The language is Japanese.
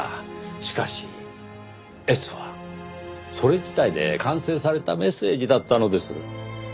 しかし「えつ」はそれ自体で完成されたメッセージだったのです。